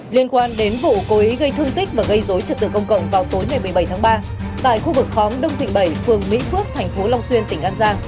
liên quan đến vụ cố ý gây thương tích và gây dối trật tự công cộng vào tối ngày một mươi bảy tháng ba tại khu vực khóm đông thịnh bảy phường mỹ phước tp long xuyên tỉnh an giang